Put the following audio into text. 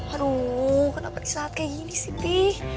aduh kenapa di saat kayak gini sih pi